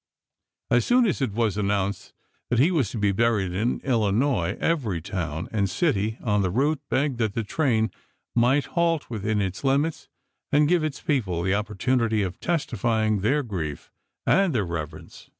As soon as it was an nounced that he was to be buried in Illinois every town and city on the route begged that the train might halt within its limits and give its people the opportunity of testifying their grief and their rev erence.